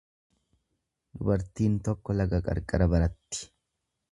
Dubartiin tokko laga qarqara baratti.